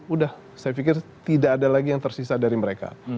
udah saya pikir tidak ada lagi yang tersisa dari mereka